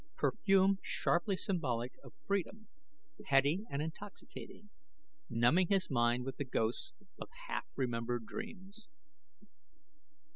Perfume sharply symbolic of freedom, heady and intoxicating, numbing his mind with the ghosts of half remembered dreams.